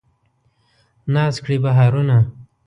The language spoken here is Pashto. ناز کړي بهارونه